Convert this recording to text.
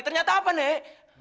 ternyata apa nek